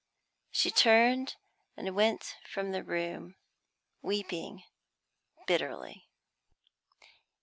She turned and went from the room, weeping bitterly.